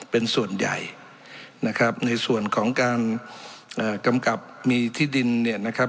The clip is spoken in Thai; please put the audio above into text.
เป็นส่วนใหญ่นะครับในส่วนของการกำกับมีที่ดินเนี่ยนะครับ